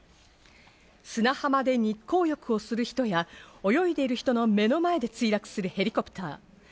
砂浜で日光浴をする人や泳いでいる人の目の前で墜落するヘリコプター。